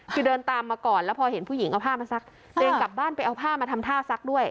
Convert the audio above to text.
คือเดินตามมาก่อนแล้วพอเห็นผู้หญิงเอาผ้ามาซักตัวเองกลับบ้านไปเอาผ้ามาทำท่าซักด้วย